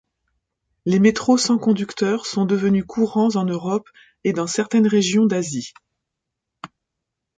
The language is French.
Les métros sans conducteurs sont devenus courants en Europe et dans certaines régions d'Asie.